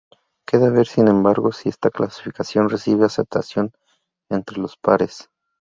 Queda ver, sin embargo, si esta clasificación recibe aceptación entre los pares.